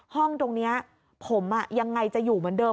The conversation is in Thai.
ห้องตรงนี้ผมยังไงจะอยู่เหมือนเดิม